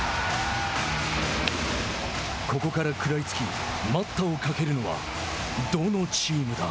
ここから食らいつき待ったをかけるのはどのチームだ。